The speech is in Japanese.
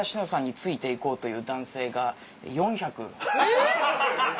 えっ！